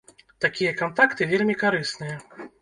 Такія кантакты вельмі карысныя.